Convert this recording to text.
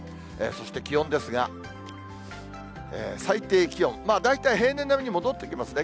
そして気温ですが、最低気温、大体平年並みに戻ってきますね。